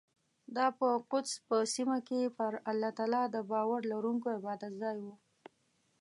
دا په قدس په سیمه کې پر الله تعالی د باور لرونکو عبادتځای و.